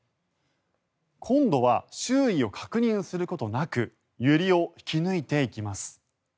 今度は、周囲を確認することなくユリを引き抜いていきます。